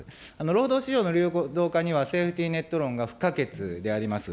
労働市場の流動化には、セーフティーネット論が不可欠であります。